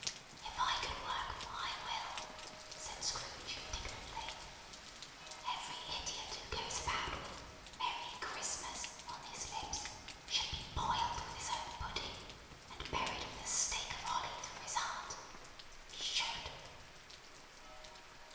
If I could work my will," said Scrooge indignantly, "every idiot who goes about with 'Merry Christmas' on his lips, should be boiled with his own pudding, and buried with a stake of holly through his heart. He should!"